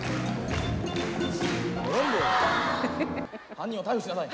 犯人を逮捕しなさい。